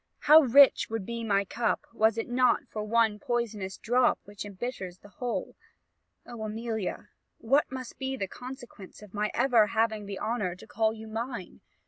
How rich would be my cup, was it not for one poisonous drop which embitters the whole! O, Amelia! what must be the consequence of my ever having the honour to call you mine!